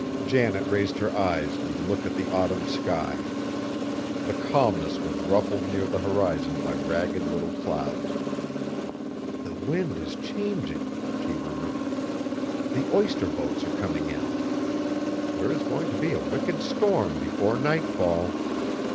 Janet raised her eyes and looked at the autumn sky. The calmness was ruffled near the horizon by ragged little clouds. "The wind is changing," she murmured, "the oyster boats are coming in. There is going to be a wicked storm before nightfall."